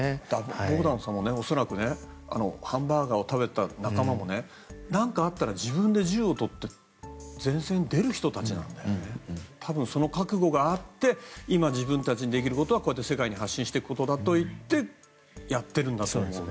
ボグダンさんも恐らくハンバーガーを食べた仲間も何かあったら自分で銃をとって前線に出る人たちで多分、その覚悟があって今、自分たちにできることは世界に発信することだといってやっているんだと思う。